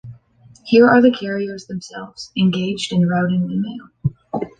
Here are the carriers themselves, engaged in routing the mail.